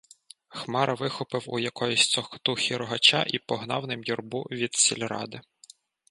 Хмара вихопив у якоїсь цокотухи рогача і погнав ним юрбу від сільради.